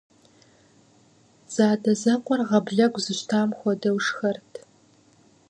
Зэадэзэкъуэр гъаблэгу зыщтам хуэдэу шхэрт.